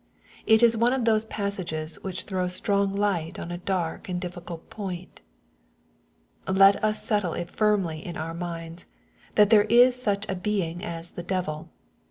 It is one of those passages which throw strong light on a dark and difficult point. Let us settle it firmly in our minds^ that there is such a being as the devil.